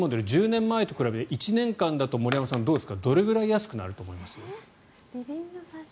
１０年前と比べると１年間だと、森山さんどうですかどれくらい安くなると思います？